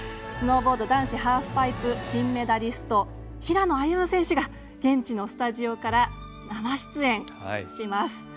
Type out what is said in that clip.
スノーボード男子ハーフパイプ金メダリスト平野歩夢選手が現地のスタジオから生出演します。